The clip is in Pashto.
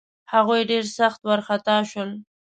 هغوی ډېر سخت وارخطا شول.